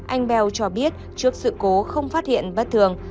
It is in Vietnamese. anh bell cho biết trước sự cố không phát hiện bất thường